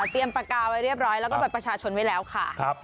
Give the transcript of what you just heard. เตรียมปากกาวไว้เรียบร้อยแล้วก็เปิดประชาชนไว้แล้วค่ะ